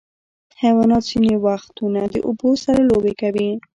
حیوانات ځینې وختونه د اوبو سره لوبې کوي.